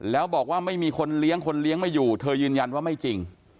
แล้วบอกว่าไม่มีคนเลี้ยงคนเลี้ยงไม่อยู่เธอยืนยันว่าไม่จริง